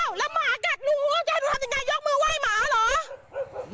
แล้วหมากัดหนูยายหนูทำยังไงยกมือไหว้หมาเหรอ